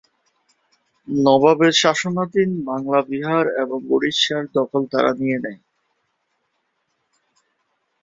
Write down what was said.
নবাবের শাসনাধীন বাংলা, বিহার এবং উড়িষ্যার দখল তারা নিয়ে নেয়।